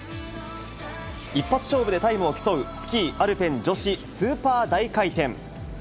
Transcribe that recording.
一発勝負でタイムを競う、スキーアルペン女子スーパー大回転。